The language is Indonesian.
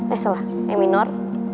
eh salah e minor